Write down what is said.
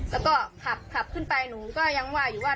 แล้วก็ขับขับขึ้นไปหนูก็ยังว่าอยู่ว่า